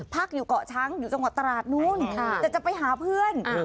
พักอยู่เกาะช้างอยู่จังหวัดตราดนู้นแต่จะไปหาเพื่อน